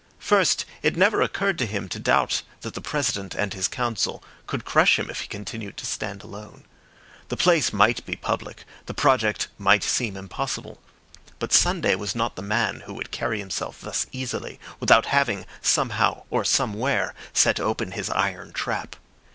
First, it never occurred to him to doubt that the President and his Council could crush him if he continued to stand alone. The place might be public, the project might seem impossible. But Sunday was not the man who would carry himself thus easily without having, somehow or somewhere, set open his iron trap.